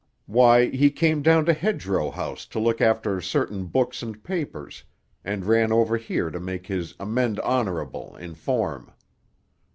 "Why, he came down to Hedgerow House to look after certain books and papers, and ran over here to make his amende honorable in form.